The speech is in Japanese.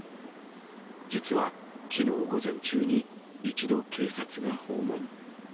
実はきのう午前中に、一度、警察が訪問。